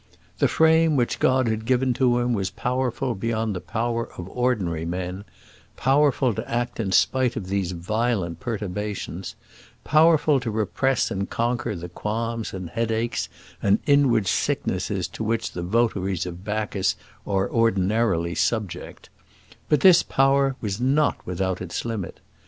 The frame which God had given to him was powerful beyond the power of ordinary men; powerful to act in spite of these violent perturbations; powerful to repress and conquer the qualms and headaches and inward sicknesses to which the votaries of Bacchus are ordinarily subject; but this power was not without its limit.